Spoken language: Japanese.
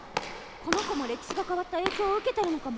この子も歴史が変わった影響を受けてるのかも。